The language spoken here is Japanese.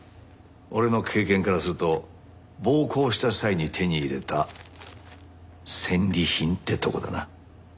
俺の経験からすると暴行した際に手に入れた戦利品ってとこだな。